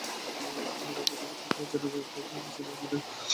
তোমার বাবা তোমাকে ফৌজে নাম দিতে বলেছিল, আমি নই।